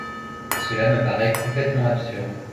Cela me paraît complètement absurde.